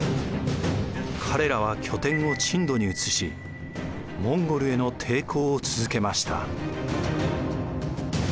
彼らは拠点を珍島に移しモンゴルへの抵抗を続けました。